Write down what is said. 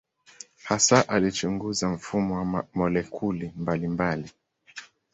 Hasa alichunguza mfumo wa molekuli mbalimbali.